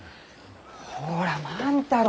ほら万太郎！